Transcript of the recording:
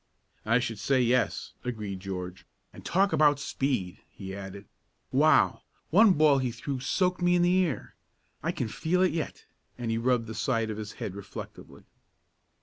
"I should say yes," agreed George. "And talk about speed!" he added. "Wow! One ball he threw soaked me in the ear. I can feel it yet!" and he rubbed the side of his head reflectively.